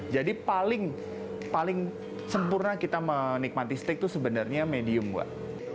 jadi paling sempurna kita menikmati steak itu sebenarnya medium mbak